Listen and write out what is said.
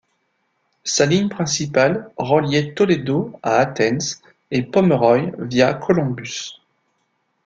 Sa ligne principale reliait Toledo à Athens et Pomeroy via Columbus.